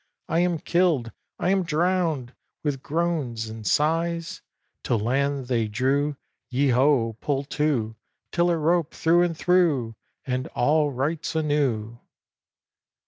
"I am killed!" "I am drowned!" with groans and sighs; Till to land they drew; "Yeo ho! Pull to! Tiller rope, thro' and thro'!" And all's right anew.